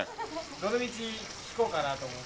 どの道弾こうかなと思って。